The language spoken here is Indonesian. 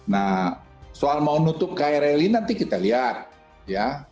nah soal mau nutup krl ini nanti kita lihat ya